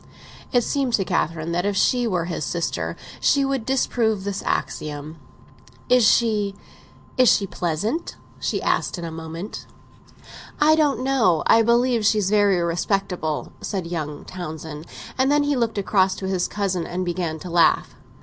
It seemed to Catherine that if she were his sister she would disprove this axiom. "Is she—is she pleasant?" she asked in a moment. "I don't know—I believe she's very respectable," said young Townsend. And then he looked across to his cousin and began to laugh.